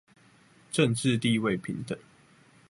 政冶地位平等